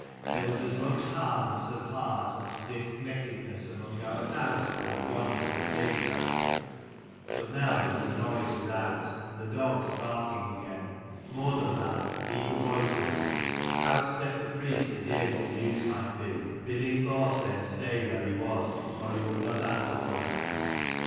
There was as much hardness of heart and stiffneckedness among our townsfolk yonder at Dacor " But now there was a noise without, and the dogs barking again. More than that, eager voices. Out stepped the priest to hear what the news might be, bidding Thorstein stay 283 where he was, or he would not answer for him.